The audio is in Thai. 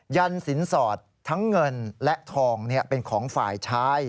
ยันสินสอดทั้งเงินและทองเป็นของฝ่ายชาย